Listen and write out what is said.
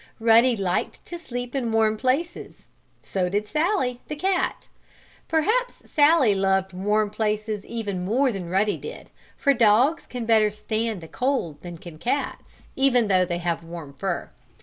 Ruddy liked to sleep in warm places. So did Sallie, the cat. Perhaps Sallie loved warm places even more than Ruddy did, for dogs can better stand the cold than can cats, even though they have warm fur.